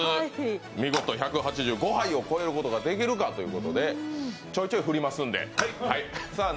見事１８５杯を超えることができるかということでちょいちょいふりますので。